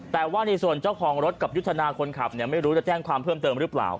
แต่ว่าในส่วนเจ้าของรถกับยุทธนาคนขับเนี่ยไม่รู้จะแจ้งความเพิ่มเติมหรือเปล่า